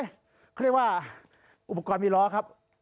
เขาเรียกว่าอุปกรณ์มีล้อครับ